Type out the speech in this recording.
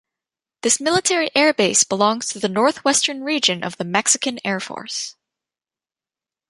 This military airbase belongs to the Northwestern Region of the Mexican Air Force.